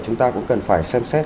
chúng ta cũng cần phải xem xét